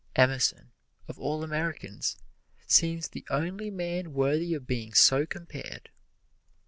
Emerson, of all Americans, seems the only man worthy of being so compared.